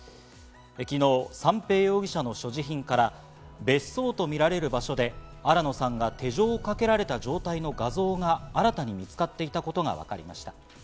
昨日、三瓶容疑者の所持品から別荘と見られる場所で新野さんが手錠をかけられた状態の画像が新たに見つかっていたことがわかりました。